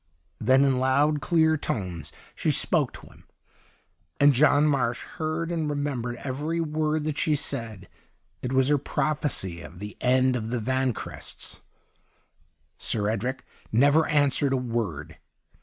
Then in loud clear tones she spoke to him, and John Marsh heard and remembered every word that she said ; it was her prophecy of the end of the Vanquerests. Sir Edric never answered a word.